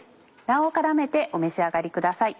卵黄を絡めてお召し上がりください。